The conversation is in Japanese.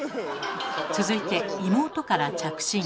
続いて妹から着信。